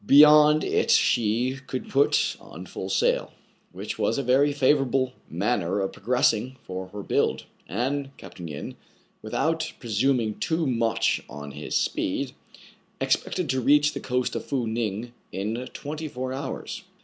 Beyond it she could put on full sail, which was a very favorable man ner of progressing for her. build; and Capt. Yin, without presuming too much on his speed, ex pected to reach the coast of Fou Ning in twenty four hours.